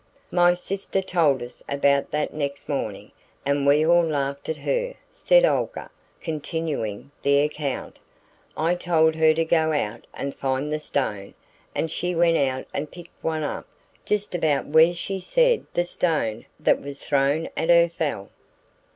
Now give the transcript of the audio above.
"My sister told us about that next morning, and we all laughed at her," said Olga, continuing the account. "I told her to go out and find the stone, and she went out and picked one up just about where she said the stone that was thrown at her fell."